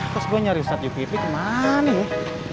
terus gua nyari ustaz jul kipli kemana nih